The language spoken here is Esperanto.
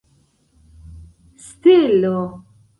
stelo